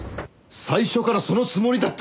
最初からそのつもりだった！？